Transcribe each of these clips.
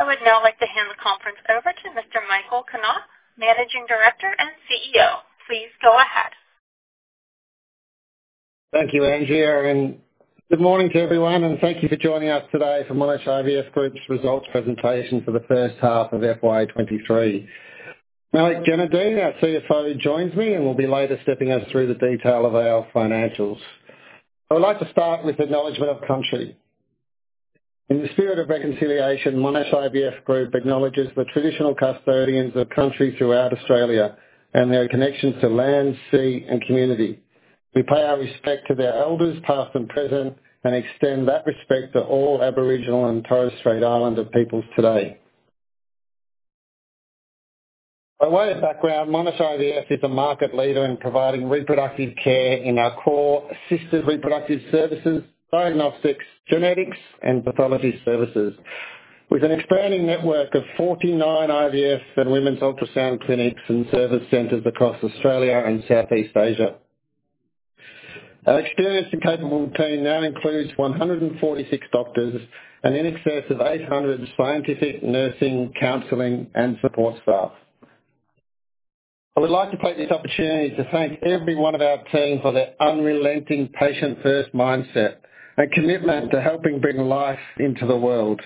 I would now like to hand the conference over to Mr. Michael Knaap, Managing Director and CEO. Please go ahead. Thank you, Andrea, good morning to everyone, and thank you for joining us today for Monash IVF Group's results presentation for the first half of FY23. Malik Jainudeen, our CFO, joins me and will be later stepping us through the detail of our financials. I would like to start with acknowledgement of country. In the spirit of reconciliation, Monash IVF Group acknowledges the traditional custodians of country throughout Australia and their connection to land, sea, and community. We pay our respect to their elders, past and present, and extend that respect to all Aboriginal and Torres Strait Islander peoples today. By way of background, Monash IVF is a market leader in providing reproductive care in our core assisted reproductive services, diagnostics, genetics, and pathology services, with an expanding network of 49 IVF and women's ultrasound clinics and service centers across Australia and Southeast Asia. An experienced and capable team now includes 146 doctors and in excess of 800 scientific, nursing, counseling, and support staff. I would like to take this opportunity to thank every one of our team for their unrelenting patient-first mindset and commitment to helping bring life into the world.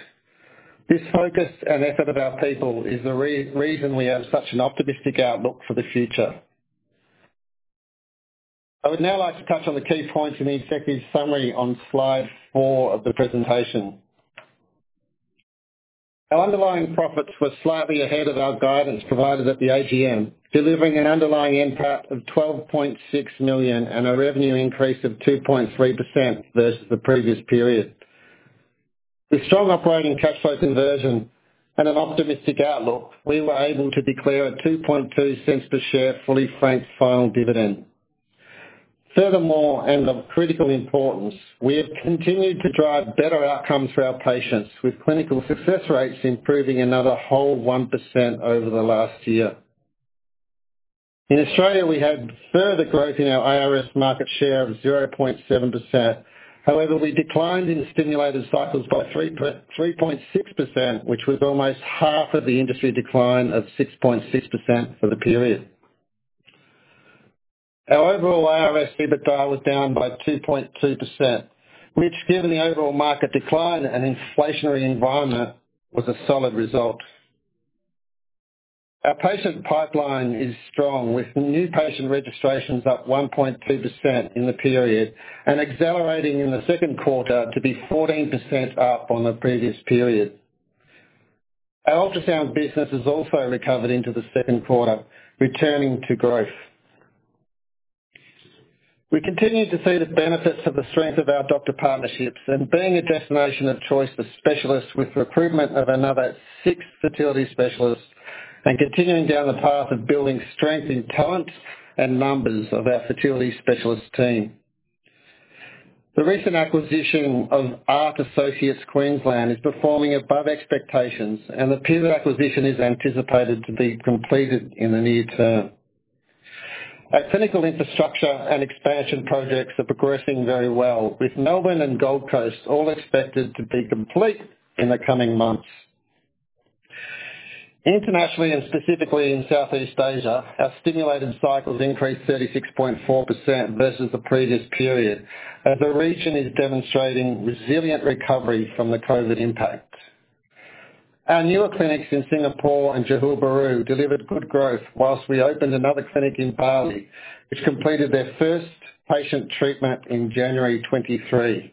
This focus and effort of our people is the reason we have such an optimistic outlook for the future. I would now like to touch on the key points in the executive summary on slide 4 of the presentation. Our underlying profits were slightly ahead of our guidance provided at the AGM, delivering an underlying NPAT of 12.6 million and a revenue increase of 2.3% versus the previous period. With strong operating cash flow conversion and an optimistic outlook, we were able to declare a 0.022 per share fully franked final dividend. Of critical importance, we have continued to drive better outcomes for our patients, with clinical success rates improving another whole 1% over the last year. In Australia, we had further growth in our ARS market share of 0.7%. We declined in stimulated cycles by 3.6%, which was almost half of the industry decline of 6.6% for the period. Our overall ARS EBITDA was down by 2.2%, which given the overall market decline and inflationary environment, was a solid result. Our patient pipeline is strong, with new patient registrations up 1.2% in the period and accelerating in the second quarter to be 14% up on the previous period. Our ultrasound business has also recovered into the second quarter, returning to growth. We continue to see the benefits of the strength of our doctor partnerships and being a destination of choice for specialists with the recruitment of another six fertility specialists and continuing down the path of building strength in talent and numbers of our fertility specialist team. The recent acquisition of ART Associates is performing above expectations, and the peer acquisition is anticipated to be completed in the near term. Our clinical infrastructure and expansion projects are progressing very well, with Melbourne and Gold Coast all expected to be complete in the coming months. Internationally, and specifically in Southeast Asia, our stimulated cycles increased 36.4% versus the previous period, as the region is demonstrating resilient recovery from the COVID impact. Our newer clinics in Singapore and Johor Bahru delivered good growth whilst we opened another clinic in Bali, which completed their first patient treatment in January 2023.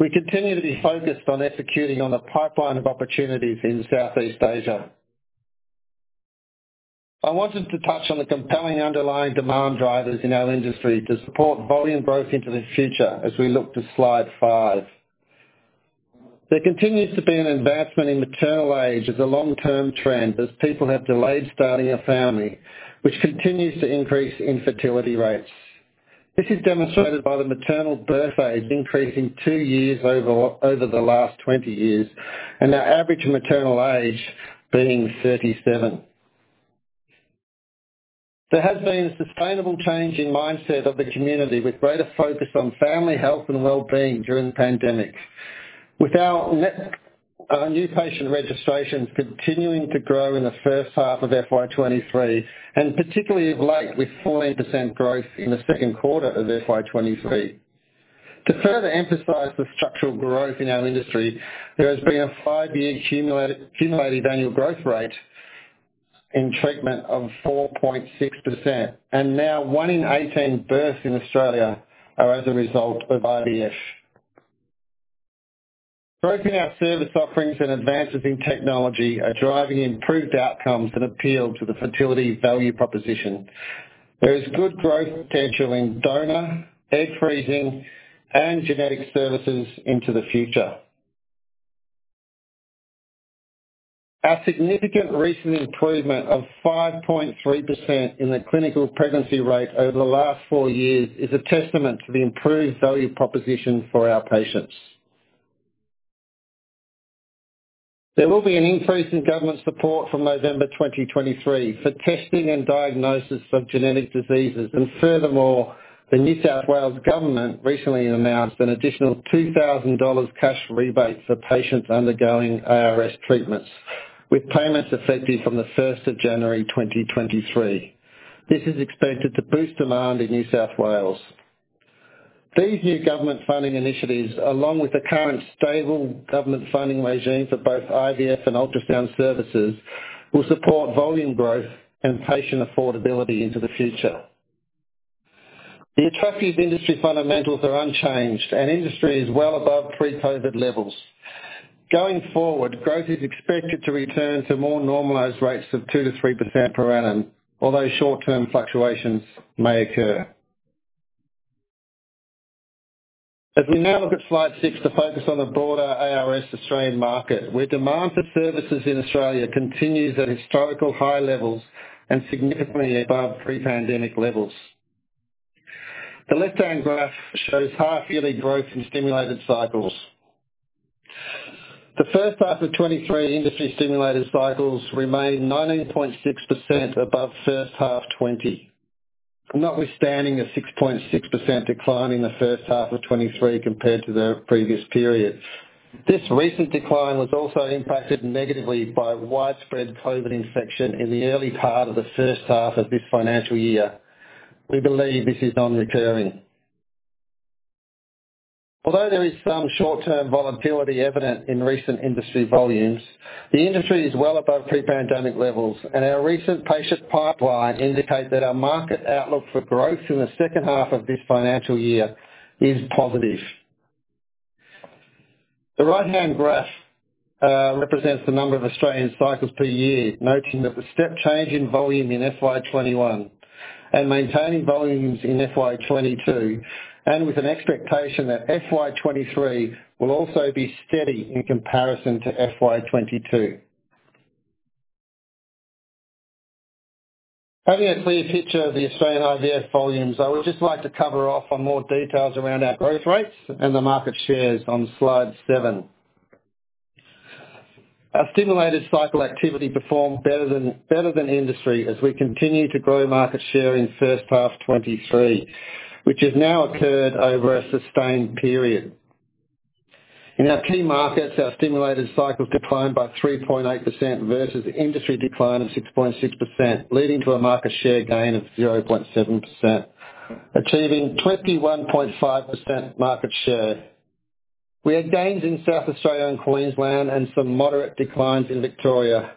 We continue to be focused on executing on the pipeline of opportunities in Southeast Asia. I wanted to touch on the compelling underlying demand drivers in our industry to support volume growth into the future as we look to slide 5. There continues to be an advancement in maternal age as a long-term trend as people have delayed starting a family, which continues to increase infertility rates. This is demonstrated by the maternal birth age increasing two years over the last 20 years, and our average maternal age being 37. There has been a sustainable change in mindset of the community, with greater focus on family health and wellbeing during the pandemic. Our new patient registrations continuing to grow in the first half of FY23, and particularly of late, with 14% growth in the second quarter of FY23. To further emphasize the structural growth in our industry, there has been a five-year cumulative annual growth rate in treatment of 4.6%, and now one in 18 births in Australia are as a result of IVF. Growth in our service offerings and advances in technology are driving improved outcomes that appeal to the fertility value proposition. There is good growth potential in donor, egg freezing, and genetic services into the future. Our significant recent improvement of 5.3% in the clinical pregnancy rate over the last four years is a testament to the improved value proposition for our patients. There will be an increase in government support from November 2023 for testing and diagnosis of genetic diseases. Furthermore, the New South Wales government recently announced an additional 2,000 dollars cash rebate for patients undergoing ARS treatments, with payments effective from the 1st of January 2023. This is expected to boost demand in New South Wales. These new government funding initiatives, along with the current stable government funding regime for both IVF and ultrasound services, will support volume growth and patient affordability into the future. The attractive industry fundamentals are unchanged and industry is well above pre-COVID levels. Going forward, growth is expected to return to more normalized rates of 2%-3% per annum, although short-term fluctuations may occur. We now look at slide 6 to focus on the broader ARS Australian market, where demand for services in Australia continues at historical high levels and significantly above pre-pandemic levels. The left-hand graph shows half-yearly growth in stimulated cycles. The first half of 2023 industry stimulated cycles remained 19.6% above first half 2020, notwithstanding a 6.6% decline in the first half of 2023 compared to the previous period. This recent decline was also impacted negatively by widespread COVID infection in the early part of the first half of this financial year. We believe this is non-recurring. There is some short-term volatility evident in recent industry volumes, the industry is well above pre-pandemic levels. Our recent patient pipeline indicate that our market outlook for growth in the second half of this financial year is positive. The right-hand graph represents the number of Australian cycles per year, noting that the step change in volume in FY21 and maintaining volumes in FY22, with an expectation that FY23 will also be steady in comparison to FY22. Having a clear picture of the Australian IVF volumes, I would just like to cover off on more details around our growth rates and the market shares on slide 7. Our stimulated cycle activity performed better than industry as we continue to grow market share in first half 2023, which has now occurred over a sustained period. In our key markets, our stimulated cycles declined by 3.8% versus industry decline of 6.6%, leading to a market share gain of 0.7%, achieving 21.5% market share. We had gains in South Australia and Queensland and some moderate declines in Victoria.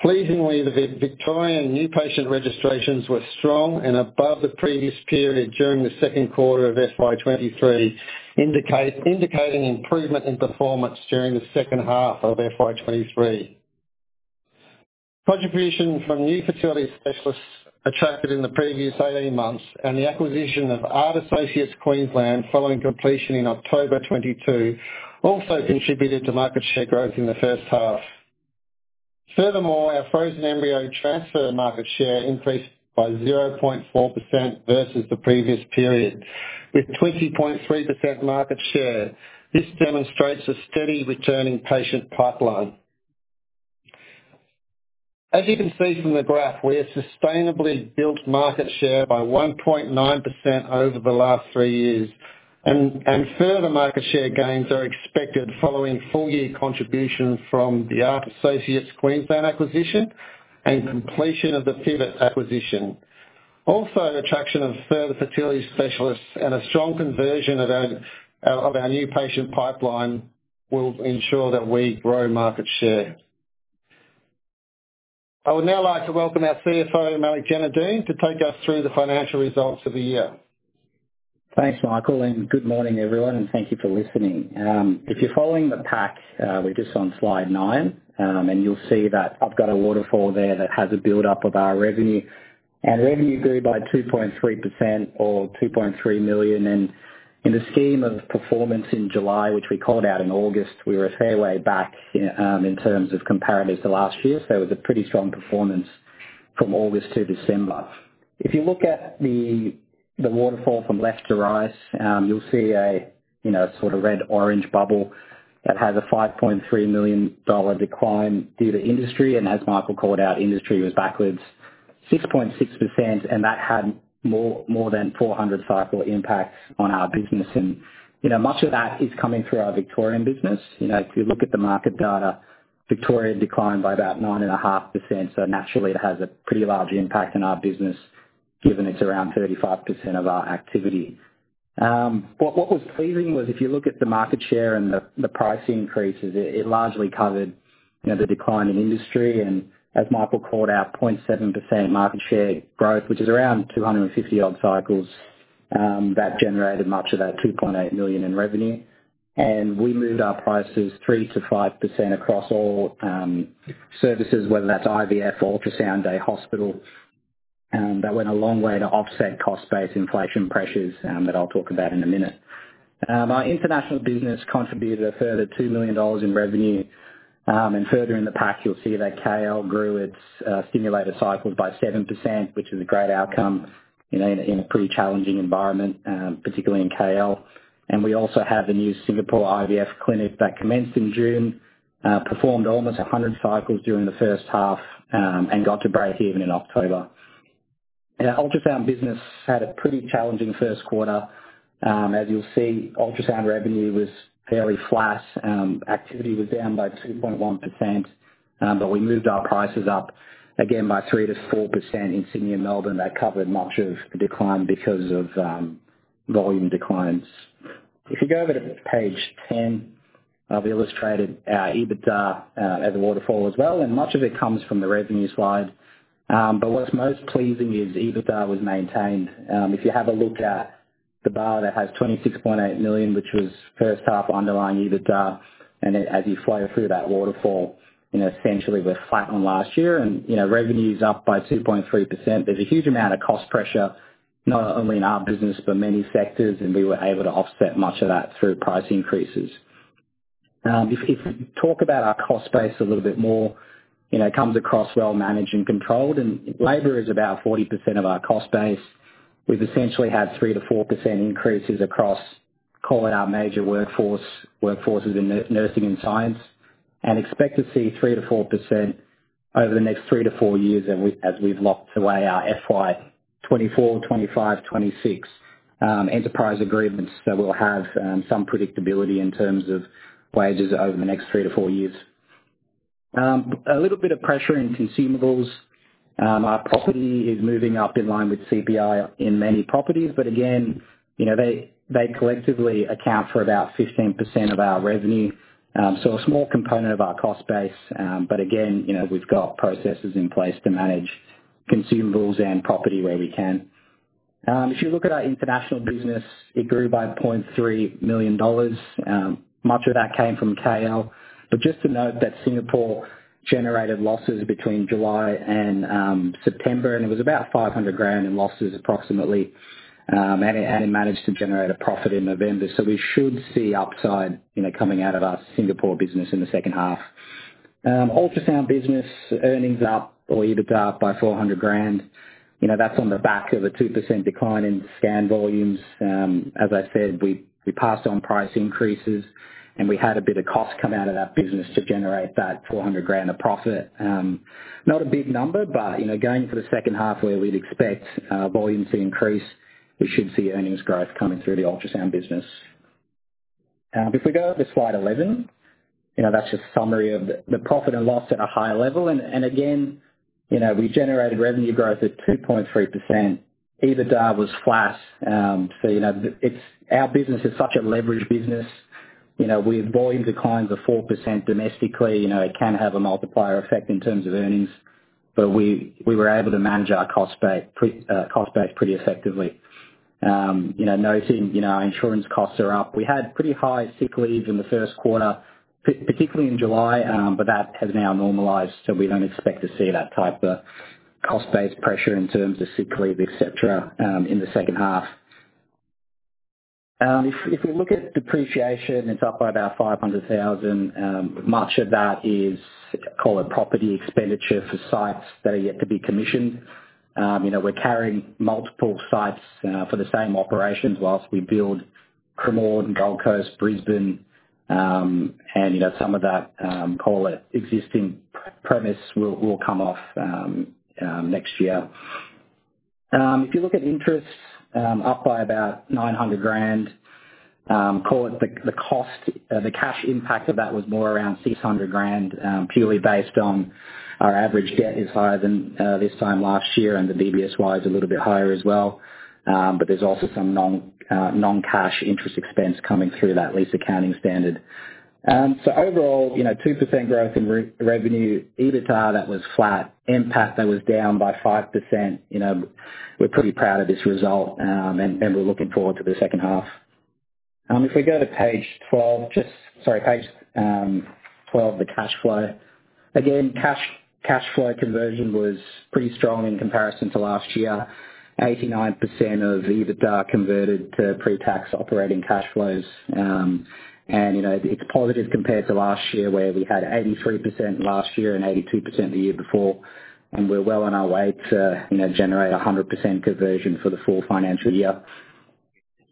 Pleasingly, the Victorian new patient registrations were strong and above the previous period during the second quarter of FY23, indicating improvement in performance during the second half of FY23. Contribution from new fertility specialists attracted in the previous 18 months and the acquisition of ART Associates Queensland following completion in October 2022 also contributed to market share growth in the first half. Furthermore, our frozen embryo transfer market share increased by 0.4% versus the previous period with 20.3% market share. This demonstrates a steady returning patient pipeline. As you can see from the graph, we have sustainably built market share by 1.9% over the last three years, and further market share gains are expected following full-year contributions from the ART Associates Queensland acquisition and completion of the PIVET acquisition. Also, the attraction of further fertility specialists and a strong conversion of our new patient pipeline will ensure that we grow market share. I would now like to welcome our CFO, Malik Jainudeen, to take us through the financial results of the year. Thanks, Michael. Good morning, everyone, and thank you for listening. If you're following the pack, we're just on slide 9, and you'll see that I've got a waterfall there that has a build-up of our revenue. Our revenue grew by 2.3% or 2.3 million, in the scheme of performance in July, which we called out in August, we were a fair way back, in terms of comparatives to last year. It was a pretty strong performance from August to December. If you look at the waterfall from left to right, you'll see a, you know, sort of red, orange bubble that has a 5.3 million dollar decline due to industry. As Michael called out, industry was backwards 6.6%, and that had more than 400 cycle impact on our business. You know, much of that is coming through our Victorian business. You know, if you look at the market data, Victoria declined by about 9.5%. Naturally, it has a pretty large impact on our business, given it's around 35% of our activity. What was pleasing was if you look at the market share and the price increases, it largely covered, you know, the decline in industry. As Michael called out, 0.7% market share growth, which is around 250 odd cycles. That generated much of that 2.8 million in revenue. We moved our prices 3%-5% across all services, whether that's IVF, ultrasound, day hospital, that went a long way to offset cost-based inflation pressures that I'll talk about in a minute. Our international business contributed a further $2 million in revenue. Further in the pack, you'll see that KL grew its simulator cycles by 7%, which is a great outcome, you know, in a pretty challenging environment, particularly in KL. We also have a new Singapore IVF clinic that commenced in June, performed almost 100 cycles during the first half, and got to break even in October. Our ultrasound business had a pretty challenging first quarter. As you'll see, ultrasound revenue was fairly flat. Activity was down by 2.1%, we moved our prices up again by 3%-4% in Sydney and Melbourne. That covered much of the decline because of the volume declines. If you go over to page 10, I've illustrated our EBITDA as a waterfall as well, and much of it comes from the revenue slide. What's most pleasing is EBITDA was maintained. If you have a look at the bar that has 26.8 million, which was first half underlying EBITDA, as you flow through that waterfall, you know, essentially we're flat on last year and, you know, revenue's up by 2.3%. There's a huge amount of cost pressure, not only in our business but many sectors, we were able to offset much of that through price increases. If, if we talk about our cost base a little bit more, you know, it comes across well managed and controlled. Labor is about 40% of our cost base. We've essentially had 3%-4% increases across, call it our major workforce, workforces in nursing and science, and expect to see 3%-4% over the next three to four years as we, as we've locked away our FY24, FY25, FY26 enterprise agreements that will have some predictability in terms of wages over the next 3-4 years. A little bit of pressure in consumables. Our property is moving up in line with CPI in many properties, but again, you know, they collectively account for about 15% of our revenue. A small component of our cost base, but again, you know, we've got processes in place to manage consumables and property where we can. If you look at our international business, it grew by 0.3 million dollars. Much of that came from KL. Just to note that Singapore generated losses between July and September, and it was about 500,000 in losses, approximately. It managed to generate a profit in November. We should see upside, you know, coming out of our Singapore business in the second half. Ultrasound business earnings up or EBITDA up by 400,000. You know, that's on the back of a 2% decline in scan volumes. As I said, we passed on price increases, and we had a bit of cost come out of that business to generate that 400,000 of profit. Not a big number, but, you know, going for the second half where we'd expect volume to increase, we should see earnings growth coming through the ultrasound business. If we go over to slide 11, you know, that's just summary of the profit and loss at a high level. Again, you know, we generated revenue growth at 2.3%. EBITDA was flat. You know, our business is such a leveraged business. You know, we have volume declines of 4% domestically. You know, it can have a multiplier effect in terms of earnings. We were able to manage our cost base pretty effectively. You know, noting, you know, our insurance costs are up. We had pretty high sick leave in the first quarter, particularly in July, that has now normalized, so we don't expect to see that type of cost-based pressure in terms of sick leave, et cetera, in the second half. If we look at depreciation, it's up by about 500,000. Much of that is, call it property expenditure for sites that are yet to be commissioned. You know, we're carrying multiple sites for the same operations whilst we build Cremorne and Gold Coast, Brisbane, you know, some of that, call it existing premise will come off next year. If you look at interest, up by about 900,000, call it the cost, the cash impact of that was more around 600,000, purely based on our average debt is higher than this time last year, and the BBSY is a little bit higher as well. But there's also some non-cash interest expense coming through that lease accounting standard. Overall, you know, 2% growth in re-revenue. EBITDA, that was flat. NPAT, that was down by 5%. You know, we're pretty proud of this result. We're looking forward to the second half. If we go to page 12, the cash flow. Again, cash flow conversion was pretty strong in comparison to last year. 89% of EBITDA converted to pre-tax operating cash flows. You know, it's positive compared to last year where we had 83% last year and 82% the year before, and we're well on our way to, you know, generate 100% conversion for the full financial year.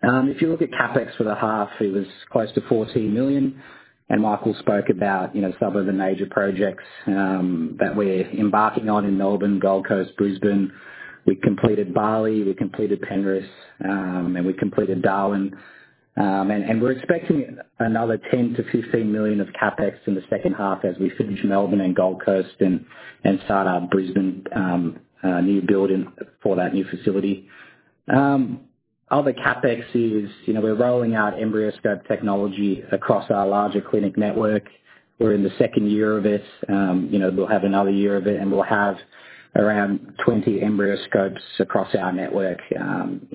If you look at CapEx for the half, it was close to 14 million, and Michael spoke about, you know, some of the major projects that we're embarking on in Melbourne, Gold Coast, Brisbane. We completed Bali, we completed Penrith, and we completed Darwin. We're expecting another 10 million-15 million of CapEx in the second half as we finish Melbourne and Gold Coast and start our Brisbane new building for that new facility. Other CapEx is, you know, we're rolling out Embryoscope technology across our larger clinic network. We're in the second year of this. You know, we'll have another year of it, and we'll have around 20 embryoscopes across our network. You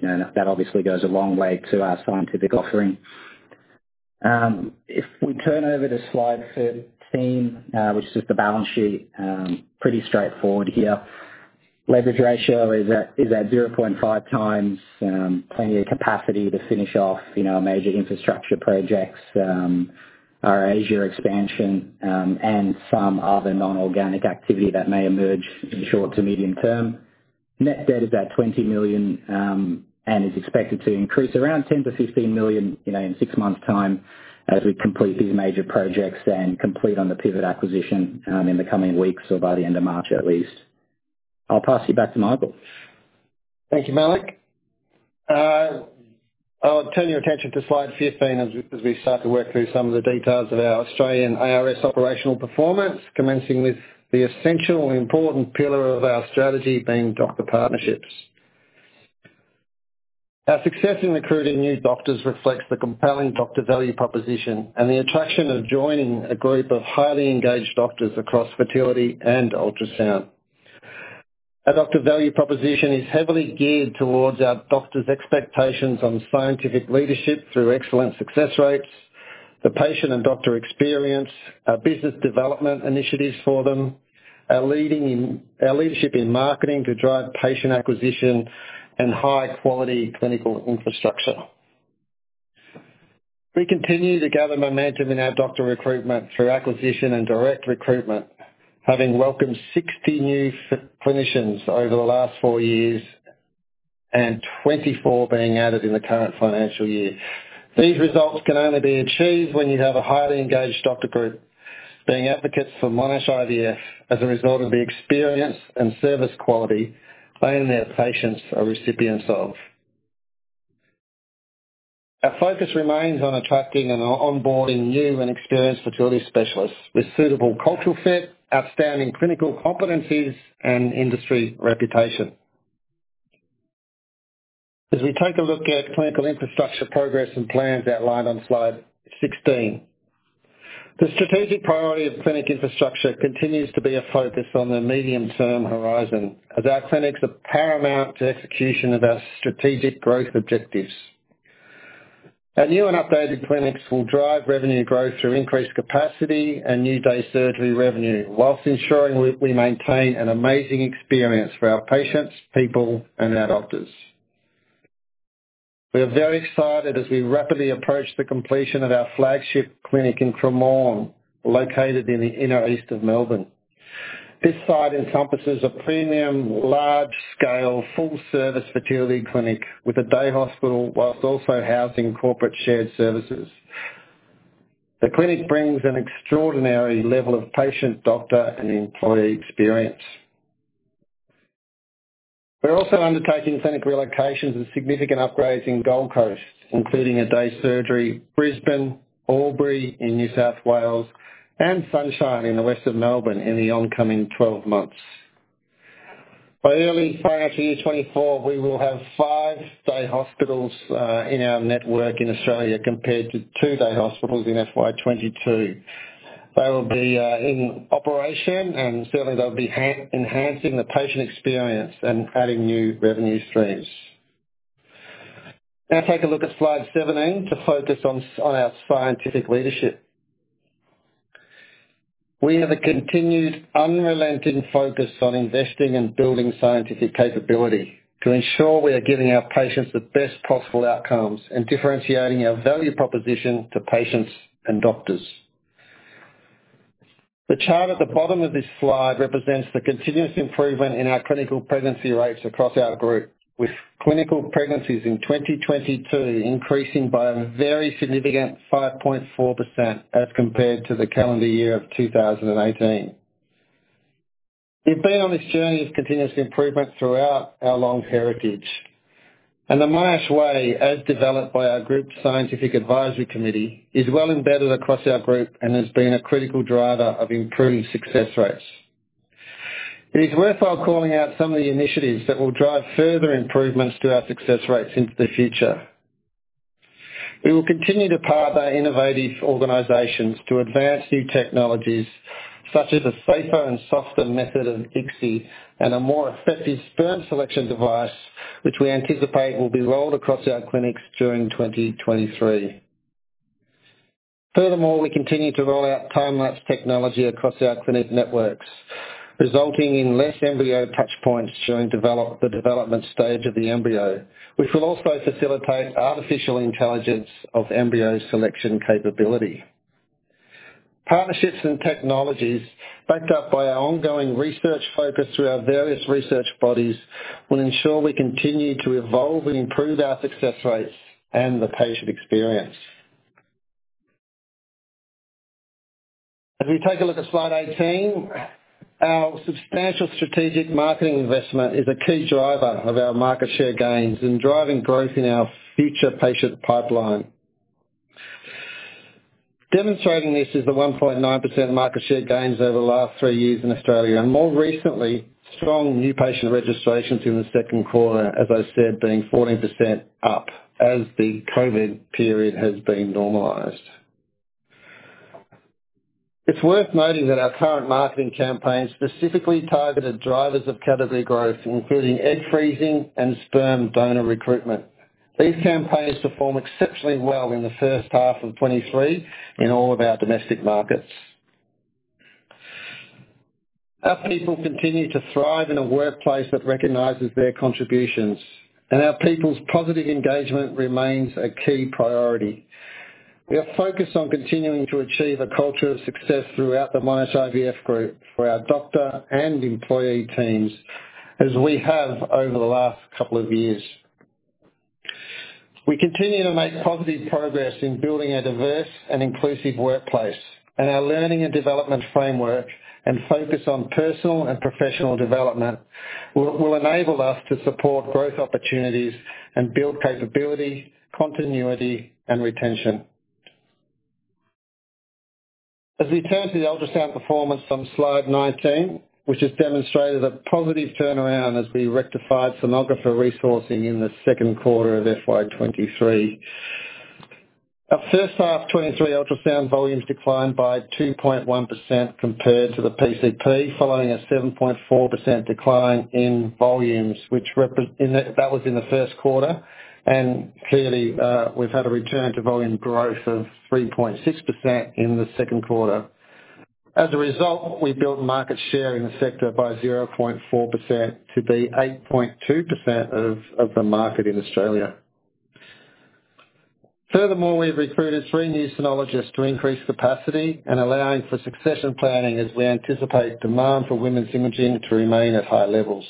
know, that obviously goes a long way to our scientific offering. If we turn over to slide 13, which is just the balance sheet, pretty straightforward here. Leverage ratio is at 0.5 times. Plenty of capacity to finish off, you know, major infrastructure projects, our Asia expansion, and some other non-organic activity that may emerge in short to medium term. Net debt is at 20 million, and is expected to increase around 10 million-15 million, you know, in six months' time as we complete these major projects and complete on the PIVET acquisition, in the coming weeks or by the end of March at least. I'll pass you back to Michael. Thank you, Malik I'll turn your attention to slide 15 as we start to work through some of the details of our Australian ARS operational performance, commencing with the essential and important pillar of our strategy being doctor partnerships. Our success in recruiting new doctors reflects the compelling doctor value proposition and the attraction of joining a group of highly engaged doctors across fertility and ultrasound. Our doctor value proposition is heavily geared towards our doctors' expectations on scientific leadership through excellent success rates, the patient and doctor experience, our business development initiatives for them, our leadership in marketing to drive patient acquisition, and high-quality clinical infrastructure. We continue to gather momentum in our doctor recruitment through acquisition and direct recruitment, having welcomed 60 new clinicians over the last four years and 24 being added in the current financial year. These results can only be achieved when you have a highly engaged doctor group being advocates for Monash IVF as a result of the experience and service quality they and their patients are recipients of. Our focus remains on attracting and onboarding new and experienced fertility specialists with suitable cultural fit, outstanding clinical competencies, and industry reputation. We take a look at clinical infrastructure progress and plans outlined on slide 16. The strategic priority of clinic infrastructure continues to be a focus on the medium-term horizon as our clinics are paramount to execution of our strategic growth objectives. Our new and updated clinics will drive revenue growth through increased capacity and new day surgery revenue, whilst ensuring we maintain an amazing experience for our patients, people, and our doctors. We are very excited as we rapidly approach the completion of our flagship clinic in Cremorne, located in the inner east of Melbourne. This site encompasses a premium, large-scale, full-service fertility clinic with a day hospital, whilst also housing corporate shared services. The clinic brings an extraordinary level of patient, doctor, and employee experience. We're also undertaking clinic relocations and significant upgrades in Gold Coast, including a day surgery, Brisbane, Albury in New South Wales, and Sunshine in the west of Melbourne in the oncoming 12 months. By early FY24, we will have five-day hospitals in our network in Australia, compared to two-day hospitals in FY22. They will be in operation, certainly they'll be enhancing the patient experience and adding new revenue streams. Take a look at slide 17 to focus on our scientific leadership. We have a continued, unrelenting focus on investing and building scientific capability to ensure we are giving our patients the best possible outcomes and differentiating our value proposition to patients and doctors. The chart at the bottom of this slide represents the continuous improvement in our clinical pregnancy rates across our group, with clinical pregnancies in 2022 increasing by a very significant 5.4% as compared to the calendar year of 2018. We've been on this journey of continuous improvement throughout our long heritage. The Monash Way, as developed by our group's scientific advisory committee, is well embedded across our group and has been a critical driver of improving success rates. It is worthwhile calling out some of the initiatives that will drive further improvements to our success rates into the future. We will continue to partner innovative organizations to advance new technologies such as a safer and softer method of ICSI and a more effective sperm selection device, which we anticipate will be rolled across our clinics during 2023. We continue to roll out time-lapse technology across our clinic networks, resulting in less embryo touchpoints during the development stage of the embryo, which will also facilitate artificial intelligence of embryo selection capability. Partnerships and technologies, backed up by our ongoing research focus through our various research bodies, will ensure we continue to evolve and improve our success rates and the patient experience. As we take a look at slide 18, our substantial strategic marketing investment is a key driver of our market share gains in driving growth in our future patient pipeline. Demonstrating this is the 1.9% market share gains over the last three years in Australia and, more recently, strong new patient registrations in the second quarter, as I said, being 14% up as the COVID period has been normalized. It's worth noting that our current marketing campaign specifically targeted drivers of category growth, including egg freezing and sperm donor recruitment. These campaigns perform exceptionally well in the first half of FY23 in all of our domestic markets. Our people continue to thrive in a workplace that recognizes their contributions, and our people's positive engagement remains a key priority. We are focused on continuing to achieve a culture of success throughout the Monash IVF Group for our doctor and employee teams as we have over the last couple of years. We continue to make positive progress in building a diverse and inclusive workplace, and our learning and development framework, and focus on personal and professional development will enable us to support growth opportunities and build capability, continuity, and retention. As we turn to the ultrasound performance on slide 19, which has demonstrated a positive turnaround as we rectified sonographer resourcing in the second quarter of FY23. Our first half 2023 ultrasound volumes declined by 2.1% compared to the PCP, following a 7.4% decline in volumes, which that was in the first quarter. Clearly, we've had a return to volume growth of 3.6% in the second quarter. As a result, we built market share in the sector by 0.4% to be 8.2% of the market in Australia. Furthermore, we've recruited three new sonologists to increase capacity and allowing for succession planning as we anticipate demand for women's imaging to remain at high levels.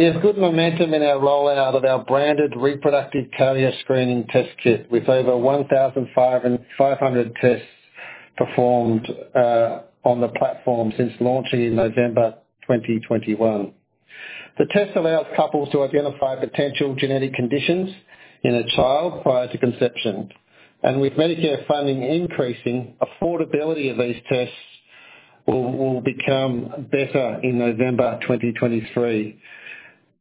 We have good momentum in our rollout of our branded reproductive carrier screening test kit with over 1,500 tests performed on the platform since launching in November 2021. The test allows couples to identify potential genetic conditions in a child prior to conception. With Medicare funding increasing, affordability of these tests will become better in November 2023.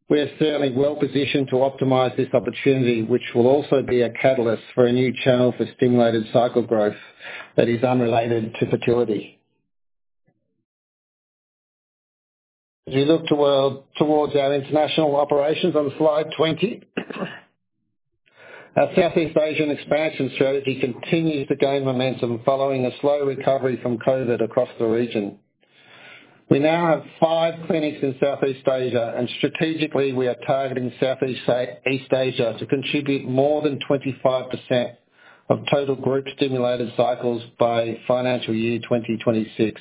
We are certainly well-positioned to optimize this opportunity, which will also be a catalyst for a new channel for stimulated cycle growth that is unrelated to fertility. As we look towards our international operations on slide 20, our Southeast Asian expansion strategy continues to gain momentum following a slow recovery from COVID across the region. We now have five clinics in Southeast Asia, and strategically, we are targeting Southeast Asia to contribute more than 25% of total group stimulated cycles by financial year 2026.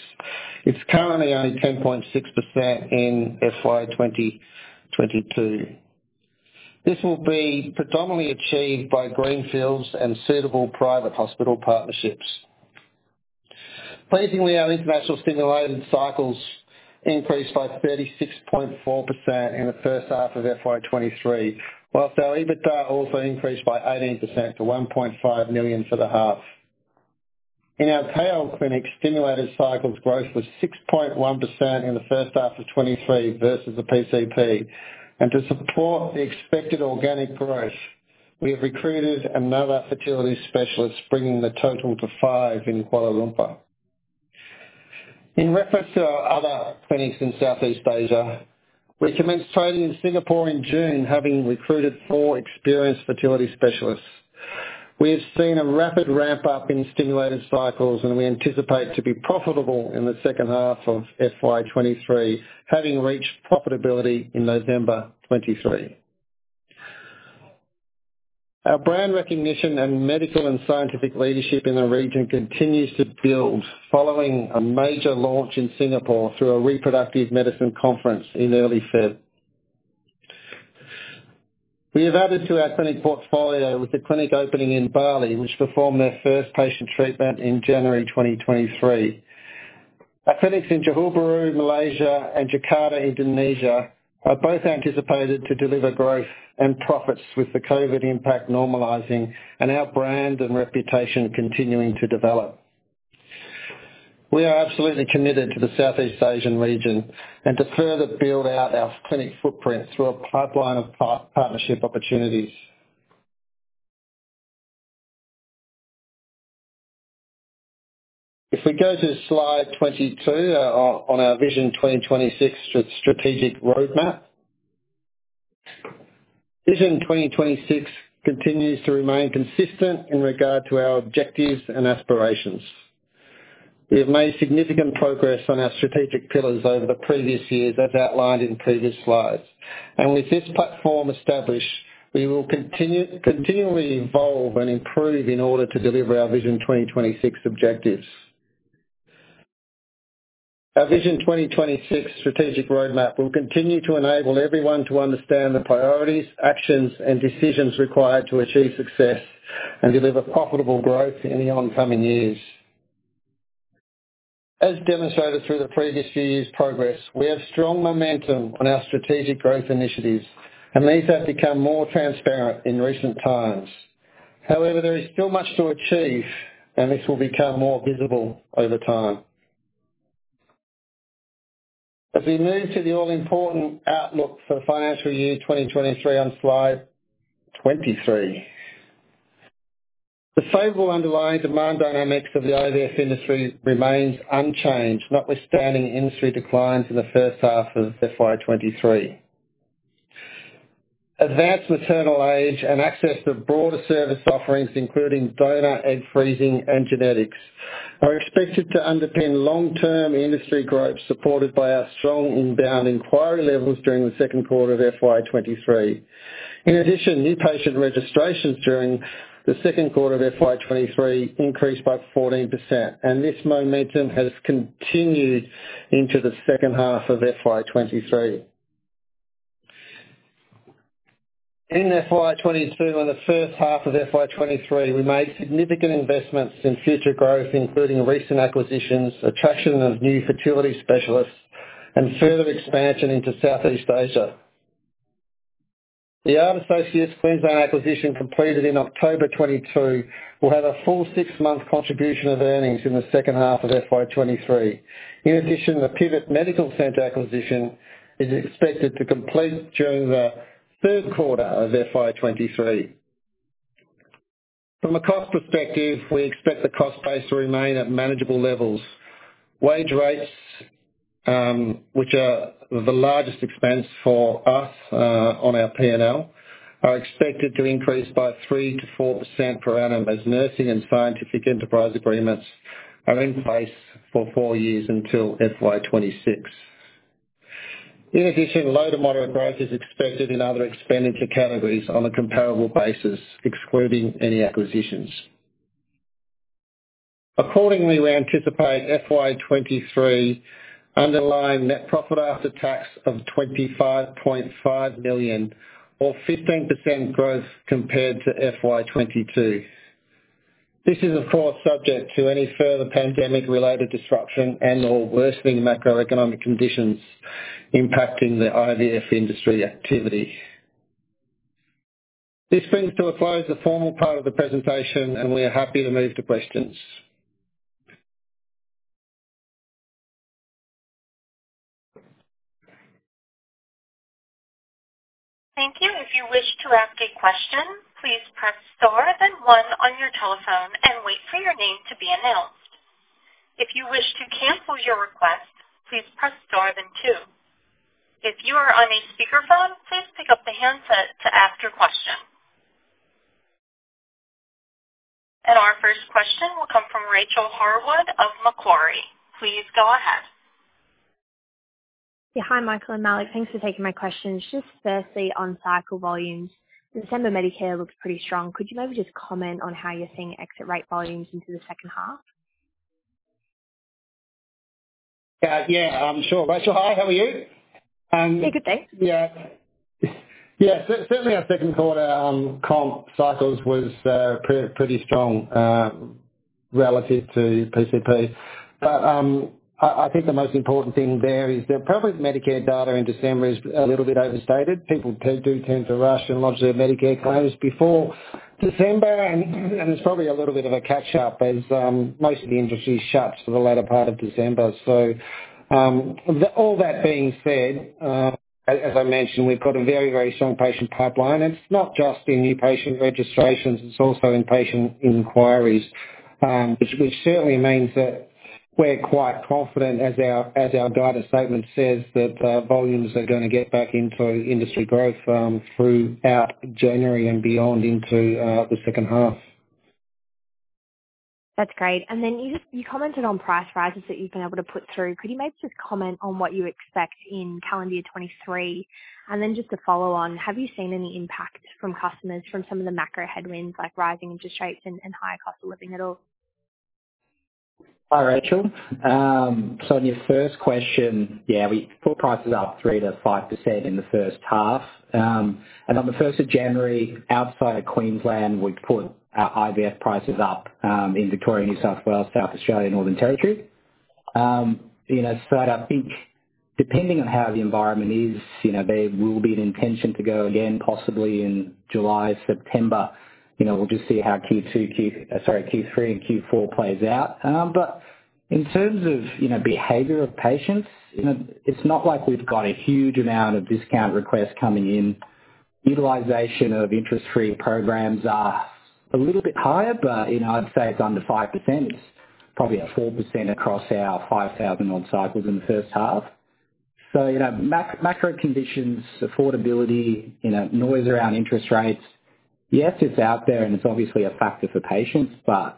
It's currently only 10.6% in FY2022. This will be predominantly achieved by greenfields and suitable private hospital partnerships. Pleasingly, our international stimulated cycles increased by 36.4% in the first half of FY23, whilst our EBITDA also increased by 18% to 1.5 million for the half. In our KL clinic, stimulated cycles growth was 6.1% in the first half of 2023 versus the PCP. To support the expected organic growth, we have recruited another fertility specialist, bringing the total to five in Kuala Lumpur. In reference to our other clinics in Southeast Asia, we commenced trading in Singapore in June, having recruited four experienced fertility specialists. We have seen a rapid ramp-up in stimulated cycles, and we anticipate to be profitable in the second half of FY23, having reached profitability in November 2023. Our brand recognition and medical and scientific leadership in the region continues to build following a major launch in Singapore through a reproductive medicine conference in early February. We have added to our clinic portfolio with the clinic opening in Bali, which performed their first patient treatment in January 2023. Our clinics in Johor Bahru, Malaysia, and Jakarta, Indonesia, are both anticipated to deliver growth and profits with the COVID impact normalizing and our brand and reputation continuing to develop. We are absolutely committed to the Southeast Asian region and to further build out our clinic footprint through a pipeline of part-partnership opportunities. If we go to slide 22 on our Vision 2026 strategic roadmap. Vision 2026 continues to remain consistent in regard to our objectives and aspirations. We have made significant progress on our strategic pillars over the previous years, as outlined in previous slides. With this platform established, we will continually evolve and improve in order to deliver our Vision 2026 objectives. Our Vision 2026 strategic roadmap will continue to enable everyone to understand the priorities, actions, and decisions required to achieve success and deliver profitable growth in the oncoming years. As demonstrated through the previous few years' progress, we have strong momentum on our strategic growth initiatives. These have become more transparent in recent times. However, there is still much to achieve. This will become more visible over time. As we move to the all-important outlook for financial year 2023 on slide 23. The favorable underlying demand dynamics of the IVF industry remains unchanged, notwithstanding industry declines in the first half of FY23. Advanced maternal age and access to broader service offerings, including donor egg freezing and genetics, are expected to underpin long-term industry growth, supported by our strong inbound inquiry levels during the second quarter of FY23. In addition, new patient registrations during the second quarter of FY23 increased by 14%. This momentum has continued into the second half of FY23. In FY22 and the first half of FY23, we made significant investments in future growth, including recent acquisitions, attraction of new fertility specialists, and further expansion into Southeast Asia. The ART Associates Queensland acquisition, completed in October 2022, will have a full six-month contribution of earnings in the second half of FY23. In addition, the PIVET Medical Centre acquisition is expected to complete during the third quarter of FY23. From a cost perspective, we expect the cost base to remain at manageable levels. Wage rates, which are the largest expense for us, on our P&L, are expected to increase by 3%-4% per annum as nursing and scientific enterprise agreements are in place for four years until FY26. In addition, low to moderate growth is expected in other expenditure categories on a comparable basis, excluding any acquisitions. Accordingly, we anticipate FY23 underlying NPAT of 25.5 million, or 15% growth compared to FY22. This is, of course, subject to any further pandemic-related disruption and/or worsening macroeconomic conditions impacting the IVF industry activity. This brings to a close the formal part of the presentation, and we are happy to move to questions. Thank you. If you wish to ask a question, please press star then one on your telephone and wait for your name to be announced. If you wish to cancel your request, please press star then two. If you are on a speakerphone, please pick up the handset to ask your question. Our first question will come from Rachael Harwood of Macquarie. Please go ahead. Yeah. Hi, Michael and Malik. Thanks for taking my questions. Just firstly, on cycle volumes. December Medicare looks pretty strong. Could you maybe just comment on how you're seeing exit rate volumes into the second half? Yeah, sure. Rachel, hi, how are you? Yeah, good, thanks. Yeah. Yeah, certainly our second quarter comp cycles was pretty strong relative to PCP. I think the most important thing there is that probably the Medicare data in December is a little bit overstated. People do tend to rush and lodge their Medicare claims before December and it's probably a little bit of a catch up as most of the industry shuts for the latter part of December. All that being said, as I mentioned, we've got a very, very strong patient pipeline. It's not just in new patient registrations, it's also in patient inquiries, which certainly means that we're quite confident, as our guidance statement says, that volumes are gonna get back into industry growth throughout January and beyond into the second half. That's great. You commented on price rises that you've been able to put through. Could you maybe just comment on what you expect in calendar year 2023? Just to follow on, have you seen any impact from customers from some of the macro headwinds like rising interest rates and higher cost of living at all? Hi, Rachael. On your first question, yeah, we put prices up 3%-5% in the first half. On the 1st of January, outside of Queensland, we put our IVF prices up in Victoria and New South Wales, South Australia, Northern Territory. You know, I think depending on how the environment is, you know, there will be an intention to go again possibly in July, September. You know, we'll just see how Q2, Q3 and Q4 plays out. In terms of, you know, behavior of patients, you know, it's not like we've got a huge amount of discount requests coming in. Utilization of interest-free programs are a little bit higher, you know, I'd say it's under 5%. It's probably at 4% across our 5,000 odd cycles in the first half. You know, macro conditions, affordability, you know, noise around interest rates, yes, it's out there, and it's obviously a factor for patients.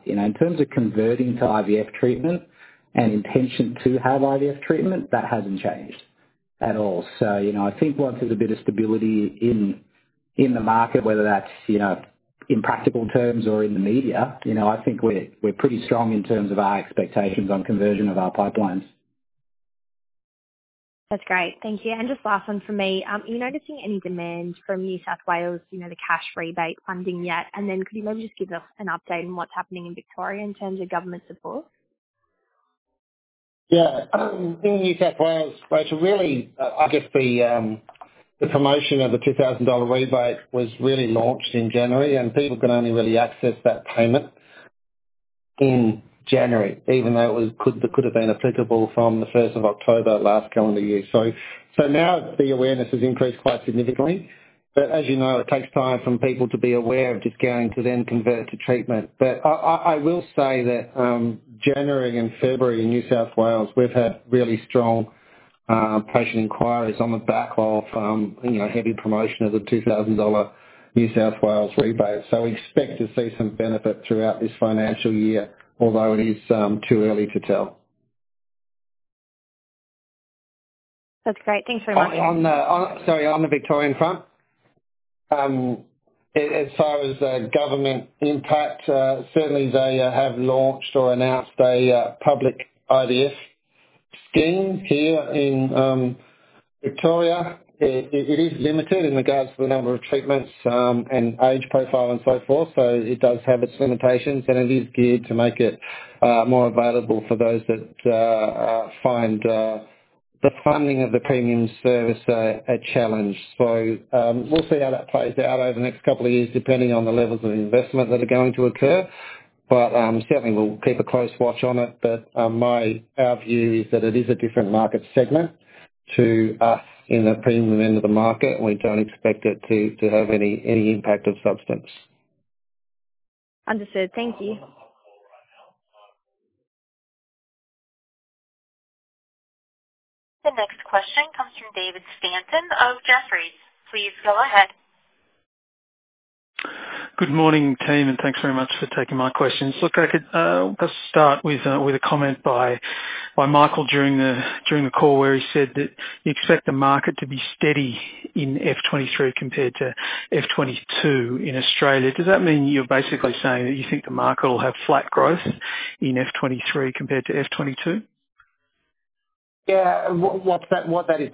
You know, in terms of converting to IVF treatment and intention to have IVF treatment, that hasn't changed at all. You know, I think once there's a bit of stability in the market, whether that's, you know, in practical terms or in the media, you know, I think we're pretty strong in terms of our expectations on conversion of our pipelines. That's great. Thank you. Just last one from me. Are you noticing any demand from New South Wales, you know, the cash rebate funding yet? Could you maybe just give us an update on what's happening in Victoria in terms of government support? Yeah. In New South Wales, Rachael, really, I guess the promotion of the 2,000 dollar rebate was really launched in January. People can only really access that payment in January, even though it could have been applicable from the first of October last calendar year. Now the awareness has increased quite significantly, but as you know, it takes time from people to be aware of just going to then convert to treatment. I will say that January and February in New South Wales, we've had really strong patient inquiries on the back of, you know, heavy promotion of the 2,000 dollar New South Wales rebate. We expect to see some benefit throughout this financial year, although it is too early to tell. That's great. Thanks very much. Sorry, on the Victorian front, as far as government impact, certainly they have launched or announced a public IVF scheme here in Victoria. It is limited in regards to the number of treatments, and age profile and so forth. So it does have its limitations, and it is geared to make it more available for those that find the funding of the premium service a challenge. We'll see how that plays out over the next two years, depending on the levels of investment that are going to occur. Certainly we'll keep a close watch on it. Our view is that it is a different market segment to us in the premium end of the market, and we don't expect it to have any impact of substance. Understood. Thank you. The next question comes from David Stanton of Jefferies. Please go ahead. Good morning, team. Thanks very much for taking my questions. Look, I could just start with a comment by Michael during the call where he said that you expect the market to be steady in FY23 compared to FY22 in Australia. Does that mean you're basically saying that you think the market will have flat growth in FY23 compared to FY22? Yeah. What. Market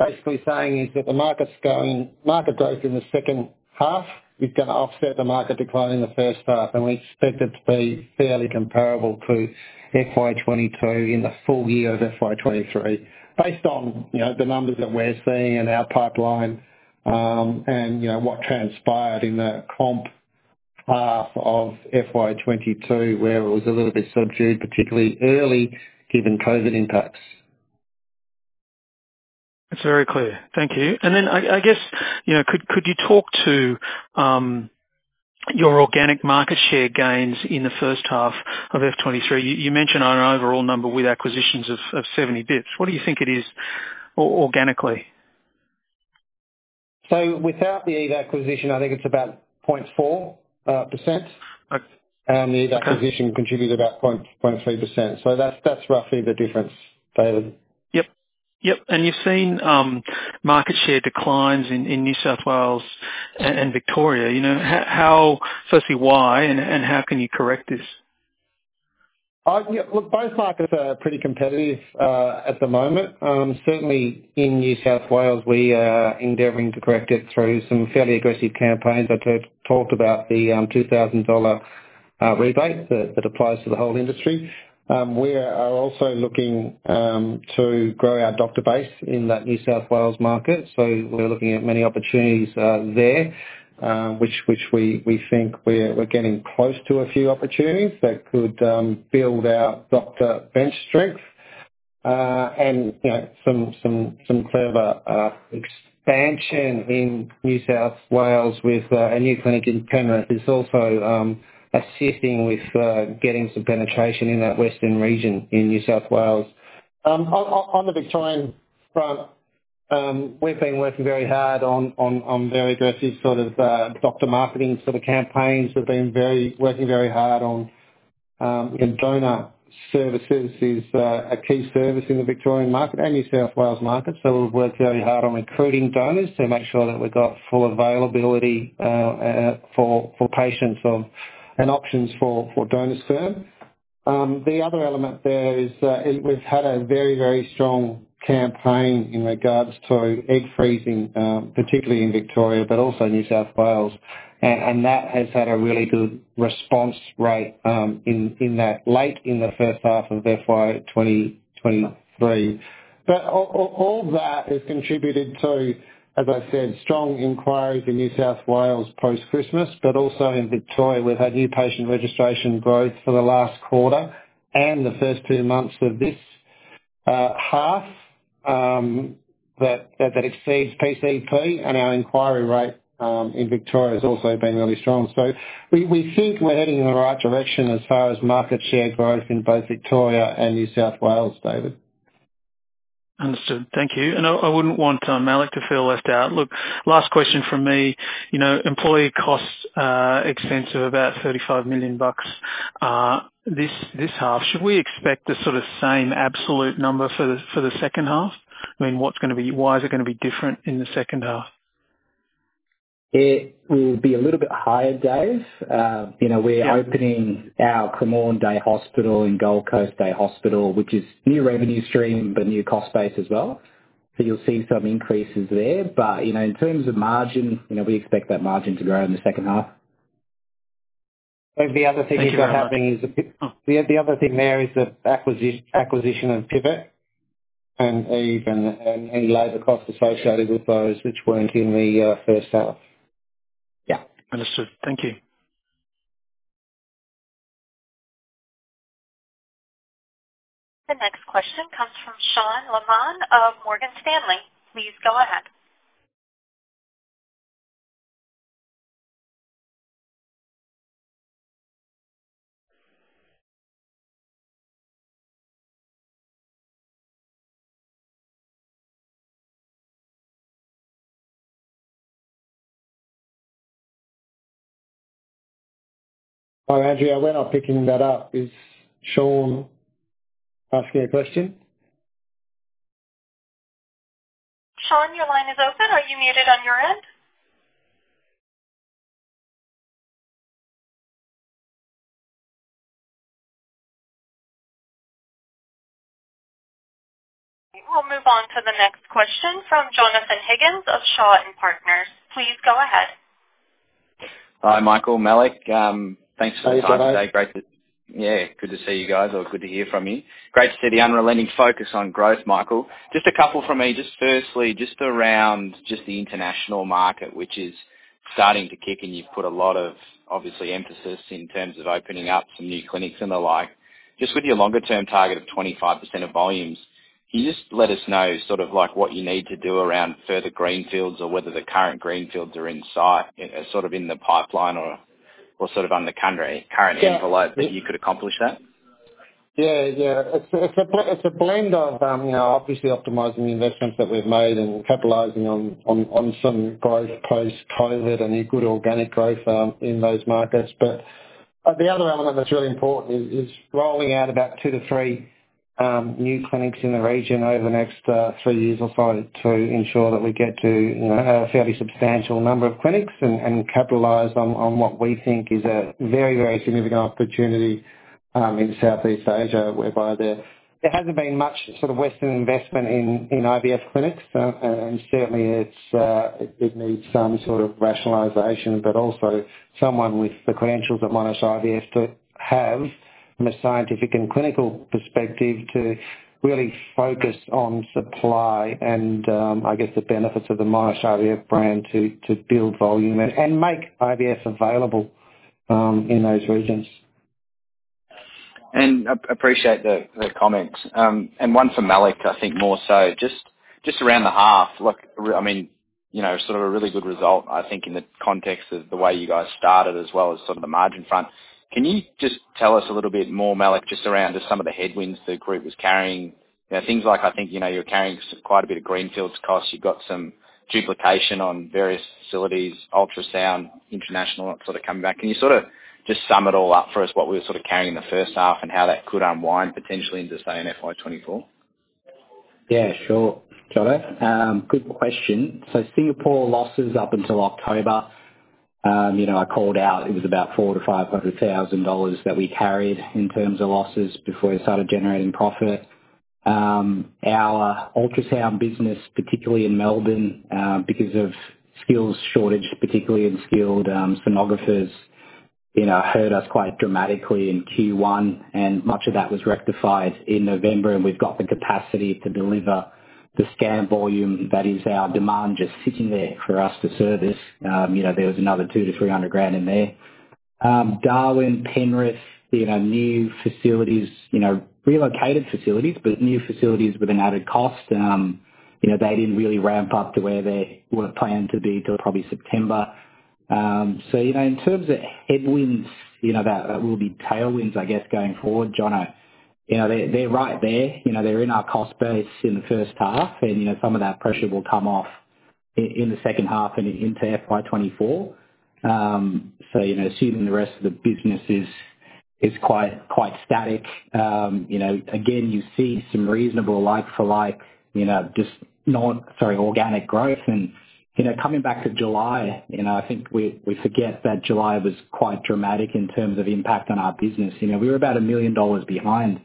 growth in the second half is gonna offset the market decline in the first half. We expect it to be fairly comparable to FY22 in the full year of FY23 based on, you know, the numbers that we're seeing in our pipeline, and, you know, what transpired in the comp half of FY22, where it was a little bit subdued, particularly early given COVID impacts. That's very clear. Thank you. I guess, you know, could you talk to your organic market share gains in the first half of FY23? You mentioned on an overall number with acquisitions of 70 basis points. What do you think it is organically? Without the ART acquisition, I think it's about 0.4%. Okay. The acquisition contributed about 0.3%. That's roughly the difference, David. Yep. Yep. You've seen market share declines in New South Wales and Victoria. You know, firstly why and how can you correct this? Yeah. Look, both markets are pretty competitive at the moment. Certainly in New South Wales, we are endeavoring to correct it through some fairly aggressive campaigns. I've talked about the 2,000 dollar rebate that applies to the whole industry. We are also looking to grow our doctor base in that New South Wales market. We're looking at many opportunities there, which we think we're getting close to a few opportunities that could build our doctor bench strength. You know, some clever expansion in New South Wales with a new clinic in Penrith is also assisting with getting some penetration in that western region in New South Wales. On the Victorian front, we've been working very hard on very aggressive sort of doctor marketing sort of campaigns. We've been working very hard on, you know, donor services is a key service in the Victorian market and New South Wales market. We've worked very hard on recruiting donors to make sure that we've got full availability for patients of, and options for donor sperm. The other element there is we've had a very, very strong campaign in regards to egg freezing, particularly in Victoria, but also New South Wales. That has had a really good response rate late in the first half of FY23. All that has contributed to, as I said, strong inquiries in New South Wales post-Christmas, but also in Victoria. We've had new patient registration growth for the last quarter and the first 2 months of this half that exceeds PCP, and our inquiry rate in Victoria has also been really strong. We think we're heading in the right direction as far as market share growth in both Victoria and New South Wales, David. Understood. Thank you. I wouldn't want Malik to feel left out. Look, last question from me. You know, employee costs, expense of about 35 million bucks, this half. Should we expect the sort of same absolute number for the second half? I mean, Why is it gonna be different in the second half? It will be a little bit higher, Dave. You know, we're opening our Cremorne Day Hospital and Gold Coast Day Hospital, which is new revenue stream, but new cost base as well. You'll see some increases there. You know, in terms of margin, you know, we expect that margin to grow in the second half. The other thing we've got happening is the. Thank you, Malik. The other thing there is the acquisition of PIVET and Eve and any labor costs associated with those which weren't in the first half. Yeah. Understood. Thank you. The next question comes from Sean Laaman of Morgan Stanley. Please go ahead. Oh, Andrea, we're not picking that up. Is Sean asking a question? Sean, your line is open. Are you muted on your end? We'll move on to the next question from Jonathan Higgins of Shaw and Partners. Please go ahead. Hi, Michael, Malik. Thanks for the time today. Hey, Jonathon. Great to see you guys, or good to hear from you. Great to see the unrelenting focus on growth, Michael. A couple from me. Firstly, around the international market, which is starting to kick in. You've put a lot of obviously emphasis in terms of opening up some new clinics and the like. With your longer-term target of 25% of volumes, can you just let us know sort of like what you need to do around further greenfields, or whether the current greenfields are in site, sort of in the pipeline or sort of under country, current envelope that you could accomplish that? Yeah. Yeah. It's, it's a blend of, you know, obviously optimizing the investments that we've made and capitalizing on some growth post-COVID, any good organic growth in those markets. The other element that's really important is rolling out about two to three new clinics in the region over the next three years or so to ensure that we get to, you know, a fairly substantial number of clinics and capitalize on what we think is a very significant opportunity in Southeast Asia, whereby there hasn't been much sort of Western investment in IVF clinics. Certainly it's, it needs some sort of rationalization, but also someone with the credentials that Monash IVF have from a scientific and clinical perspective to really focus on supply and, I guess the benefits of the Monash IVF brand to build volume and make IVF available, in those regions. Appreciate the comments. One for Malik, I think more so. Just around the half. I mean, you know, sort of a really good result, I think, in the context of the way you guys started as well as sort of the margin front. Can you just tell us a little bit more, Malik, just around some of the headwinds the group was carrying? You know, things like, I think, you know, you're carrying quite a bit of greenfields costs. You've got some duplication on various facilities, ultrasound, international, that sort of coming back. Can you sort of just sum it all up for us, what we were sort of carrying in the first half and how that could unwind potentially into, say, in FY24? Yeah, sure. Got it. Good question. Singapore losses up until October, you know, I called out it was about 400,000-500,000 dollars that we carried in terms of losses before we started generating profit. Our ultrasound business, particularly in Melbourne, because of skills shortage, particularly in skilled sonographers, you know, hurt us quite dramatically in Q1, and much of that was rectified in November, and we've got the capacity to deliver the scan volume that is our demand just sitting there for us to service. You know, there was another 200,000-300,000 in there. Darwin, Penrith, you know, new facilities, you know, relocated facilities, but new facilities with an added cost. You know, they didn't really ramp up to where they were planned to be till probably September. In terms of headwinds, you know, that will be tailwinds, I guess, going forward, John, you know, they're right there. You know, they're in our cost base in the first half. You know, some of that pressure will come off in the second half and into FY24. Assuming the rest of the business is quite static, you know, again, you see some reasonable like for like, you know, just not very organic growth. You know, coming back to July, you know, I think we forget that July was quite dramatic in terms of impact on our business. You know, we were about 1 million dollars behind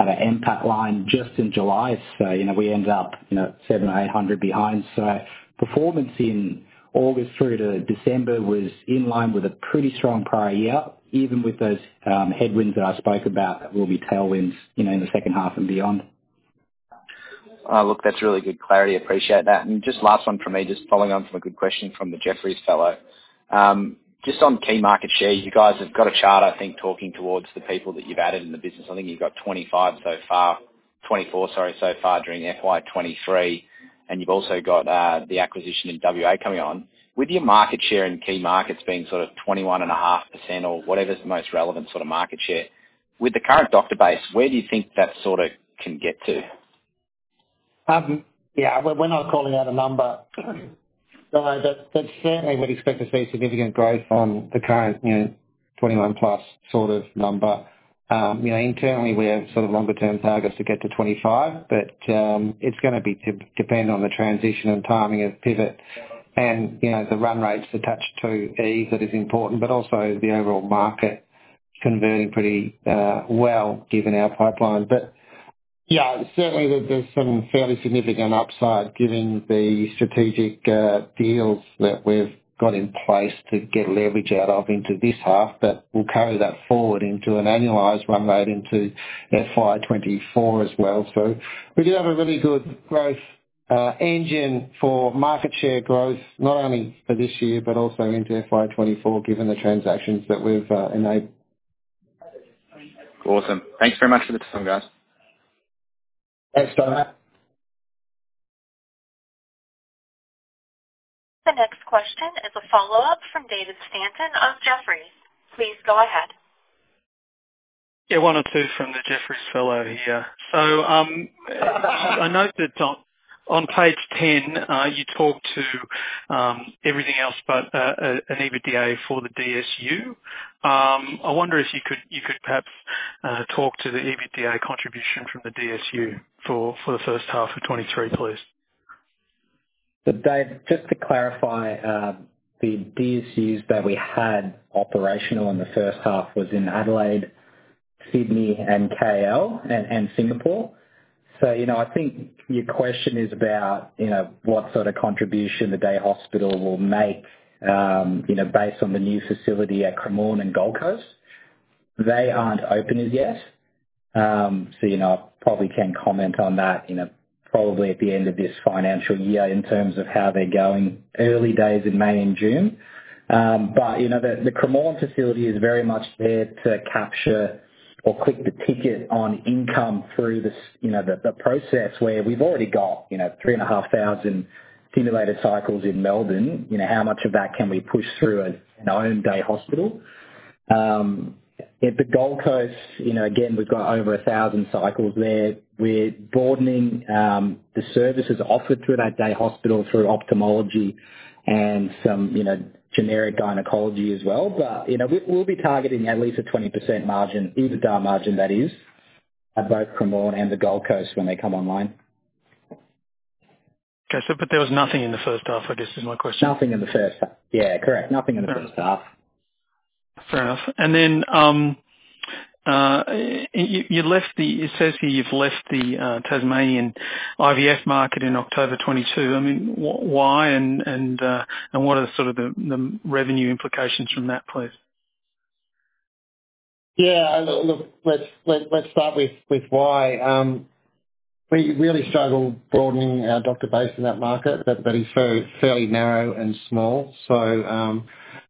at our NPAT line just in July. You know, we ended up, you know, 700 or 800 behind. Performance in August through to December was in line with a pretty strong prior year, even with those headwinds that I spoke about that will be tailwinds, you know, in the second half and beyond. Look, that's really good clarity. Appreciate that. Just last one from me, just following on from a good question from the Jefferies fellow. Just on key market share, you guys have got a chart, I think, talking towards the people that you've added in the business. I think you've got 25 so far, 24, sorry, so far during FY23, and you've also got the acquisition in WA coming on. With your market share in key markets being sort of 21.5% or whatever is the most relevant sort of market share, with the current doctor base, where do you think that sort of can get to? Yeah, we're not calling out a number. That certainly we'd expect to see significant growth on the current, you know, 21+ sort of number. You know, internally, we have sort of longer term targets to get to 25, but it's gonna be dependent on the transition and timing of PIVET and, you know, the run rates attached to E that is important, but also the overall market converting pretty well, given our pipeline. Yeah, certainly there's some fairly significant upside given the strategic deals that we've got in place to get leverage out of into this half, but we'll carry that forward into an annualized run rate into FY24 as well. We do have a really good growth engine for market share growth, not only for this year, but also into FY24, given the transactions that we've enabled. Awesome. Thanks very much for the time, guys. Thanks, John. The next question is a follow-up from David Stanton of Jefferies. Please go ahead. One or two from the Jefferies fellow here. I note that on page 10, you talk to everything else but an EBITDA for the DSU. I wonder if you could perhaps talk to the EBITDA contribution from the DSU for the first half of 2023, please. Dave, just to clarify, the DSUs that we had operational in the first half was in Adelaide, Sydney and KL and Singapore. You know, I think your question is about, you know, what sort of contribution the day hospital will make, you know, based on the new facility at Cremorne and Gold Coast. They aren't open as yet. You know, I probably can comment on that, you know, probably at the end of this financial year in terms of how they're going. Early days in May and June. You know, the Cremorne facility is very much there to capture or click the ticket on income through the you know, the process where we've already got, you know, 3,500 stimulated cycles in Melbourne, you know, how much of that can we push through an owned day hospital? At the Gold Coast, you know, again, we've got over 1,000 cycles there. We're broadening the services offered through that day hospital through ophthalmology and some, you know, generic gynecology as well. you know, we'll be targeting at least a 20% margin, EBITDA margin that is, at both Cremorne and the Gold Coast when they come online. Okay. There was nothing in the first half, I guess is my question. Nothing in the first half. Yeah, correct. Nothing in the first half. Fair enough. It says here you've left the Tasmanian IVF market in October 2022. I mean, why and what are sort of the revenue implications from that, please? Yeah, look, let's start with why. We really struggled broadening our doctor base in that market that is fairly narrow and small.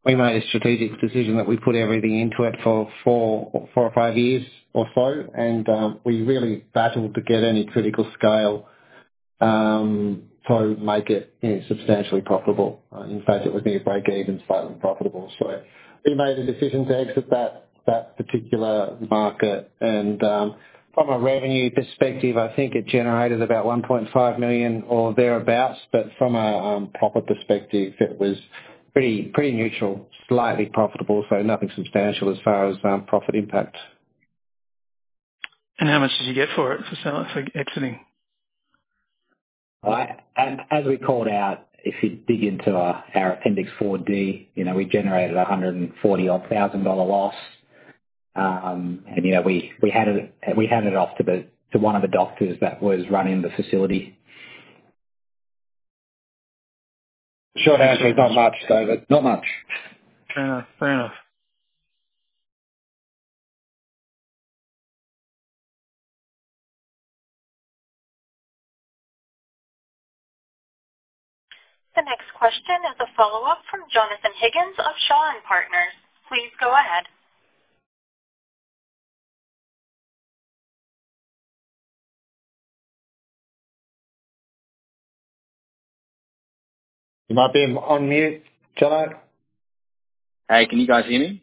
We made a strategic decision that we put everything into it for four or five years or so, and we really battled to get any critical scale to make it, you know, substantially profitable. In fact, it was near break even slightly unprofitable. We made the decision to exit that particular market. From a revenue perspective, I think it generated about 1.5 million or thereabout. From a profit perspective, it was pretty neutral, slightly profitable, nothing substantial as far as profit impact. How much did you get for it, for selling, for exiting? As, as we called out, if you dig into our Appendix 4D, you know, we generated an 140,000 dollar odd loss. You know, we handed it off to one of the doctors that was running the facility. Short answer is not much, David. Not much. Fair enough. Fair enough. The next question is a follow-up from Jonathon Higgins of Shaw and Partners. Please go ahead. You might be on mute, John. Hey, can you guys hear me?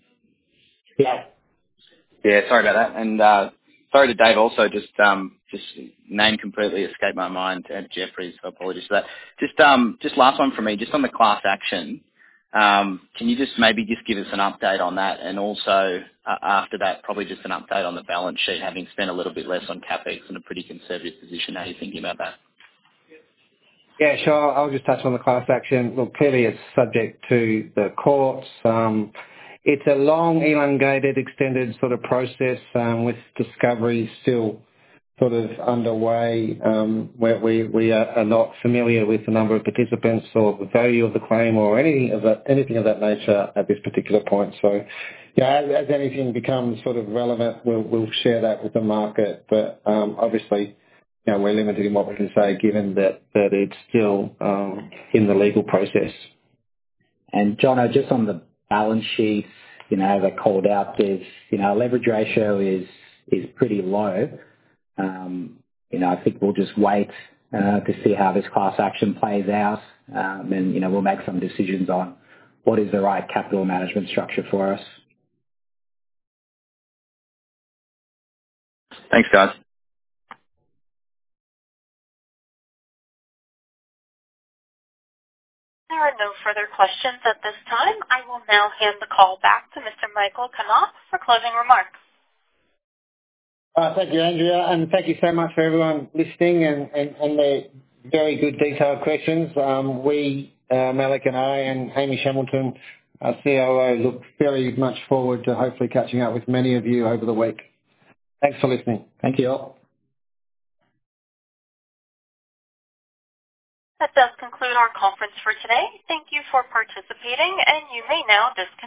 Yeah. Yeah, sorry about that. Sorry to Dave also, name completely escaped my mind at Jefferies. Apologies for that. Last one for me. On the class action, can you maybe give us an update on that? Also after that, probably an update on the balance sheet, having spent a little bit less on CapEx in a pretty conservative position. How are you thinking about that? Yeah, sure. I'll just touch on the class action. Clearly it's subject to the courts. It's a long, elongated, extended sort of process, with discovery still sort of underway, where we are not familiar with the number of participants or the value of the claim or any of that, anything of that nature at this particular point. Yeah, as anything becomes sort of relevant, we'll share that with the market. Obviously, you know, we're limited in what we can say, given that it's still in the legal process. Jon, just on the balance sheet, you know, as I called out, there's, you know, our leverage ratio is pretty low. You know, I think we'll just wait to see how this class action plays out. You know, we'll make some decisions on what is the right capital management structure for us. Thanks, guys. There are no further questions at this time. I will now hand the call back to Mr. Michael Knaap for closing remarks. Thank you, Andrea, and thank you so much for everyone listening and the very good detailed questions. We, Malik and I and Amy Beck, our COO, look very much forward to hopefully catching up with many of you over the week. Thanks for listening. Thank you all. That does conclude our conference for today. Thank you for participating. You may now disconnect.